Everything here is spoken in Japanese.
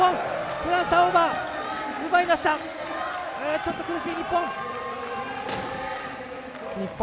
ちょっと苦しい、日本。